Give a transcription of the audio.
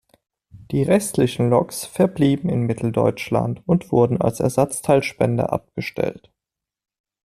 Die restlichen Loks verblieben in Mitteldeutschland und wurden als Ersatzteilspender abgestellt.